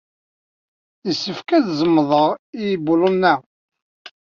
Yessefk ad zemḍeɣ ibulunen-a.